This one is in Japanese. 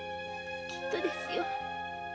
きっとですよ。